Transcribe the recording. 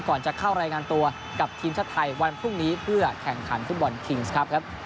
ก่อนจะเข้ารายงานตัวกับทีมชาติไทยวันพรุ่งนี้เพื่อแข่งขันฟุตบอลคิงส์ครับครับ